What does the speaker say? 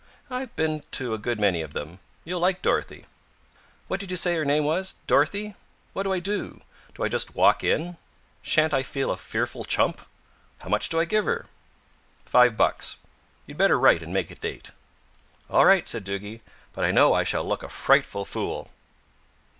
"I've been to a good many of them. You'll like Dorothea." "What did you say her name was Dorothea? What do I do? Do I just walk in? Shan't I feel a fearful chump? How much do I give her?" "Five bucks. You'd better write and make a date." "All right," said Duggie. "But I know I shall look a frightful fool."